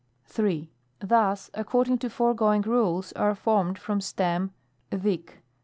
3. Thus, according to foregoing rules, are formed from stem Sn^, Pres.